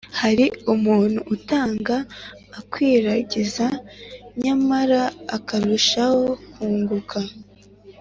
hari umuntu utanga akwiragiza, nyamara akarushaho kunguka